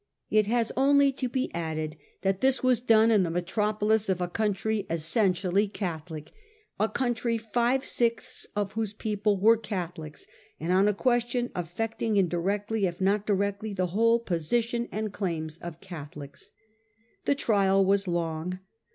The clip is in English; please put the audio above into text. It has only to be added that this was done in the metropolis of a country essen tially Catholic ; a country five sixths of whose people were Catholics ; and on a question affecting indirectly, if not directly, the whole position and claims of Catholics. The trial was long.